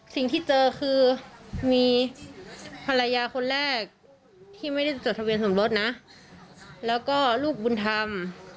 สิ่งที่เจอคือมีภรรยาคนแรกที่ไม่ได้จดทะเบียนสมรสนะแล้วก็ลูกบุญธรรม